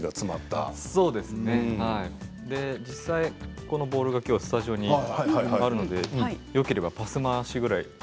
そうですね、実際このボールがスタジオにあるのでよければパス回しぐらい。